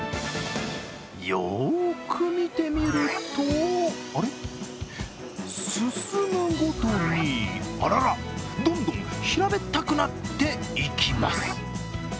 よく見てみるとあれ、進むごとに、あらら、どんどん平べったくなっていきます。